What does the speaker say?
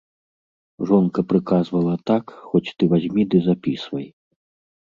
Жонка прыказвала так, хоць ты вазьмі ды запісвай.